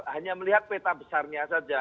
hanya melihat peta besarnya saja